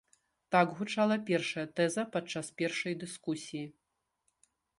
Так гучала першая тэза падчас першай дыскусіі.